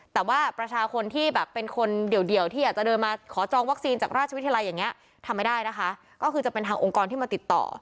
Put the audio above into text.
แต่ว่าประชาชนที่แบบเป็นคนเดี่ยวที่อยากจะเดินมาขอจองวัคซีนจากราชวิทยาลัยอย่างนี้ทำไม่ได้นะคะก็คือจะเป็นทางองค์กรที่มาติดต่อ